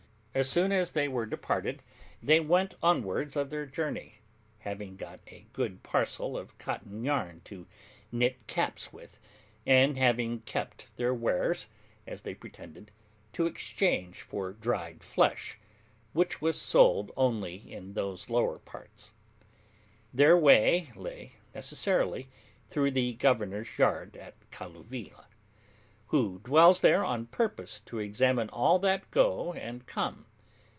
As soon as they were departed, they went onwards of their journey, having got a good parcel of cotton yarn to knit caps with, and having kept their wares, as they pretended, to exchange for dried flesh, which was sold only in those lower parts. Their way lay necessarily through the governor's yard at Kalluvilla, who dwells there on purpose to examine all that go and come.